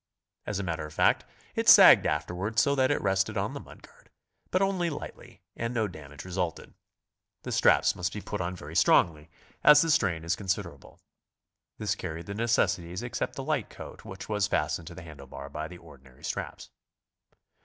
As a matter of fact, it sagged afterwar d so that it rested on the mud guard, but only lightly, and no damage resulted. The straps must be put on very strongly, as the strain is considerable. This carried the necessaries except the light coat, which was fastened to the handle bar by the ordinary straps.